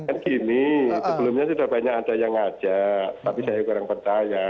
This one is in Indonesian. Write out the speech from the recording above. kan gini sebelumnya sudah banyak ada yang ngajak tapi saya kurang percaya